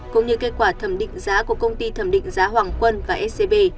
cũng như kết quả thẩm định giá của công ty thẩm định giá hoàng quân và scb